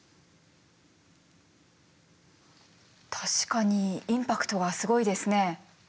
確かにインパクトがすごいですね。